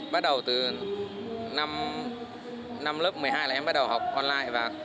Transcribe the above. bắt đầu từ năm lớp một mươi hai là em bắt đầu học online